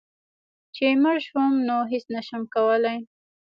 چي مړ شوم نو هيڅ نشم کولی